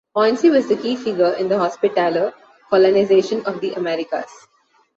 Poincy was the key figure in the Hospitaller colonization of the Americas.